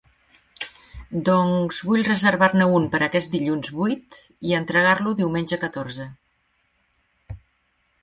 Doncs vull reservar-ne un per aquest dilluns vuit i entregar-lo diumenge catorze.